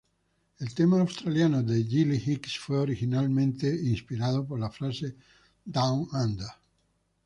El tema australiano de Gilly Hicks fue originalmente inspirado por la frase "Down Under".